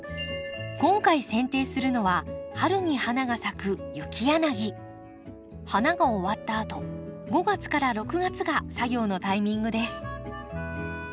今回せん定するのは春に花が咲く花が終わったあと５月から６月が作業のタイミングです。